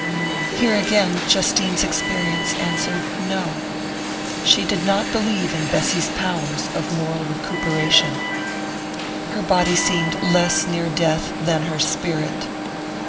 Here again, Justine's experience answered no. She did not believe in Bessy's powers of moral recuperation her body seemed less near death than her spirit.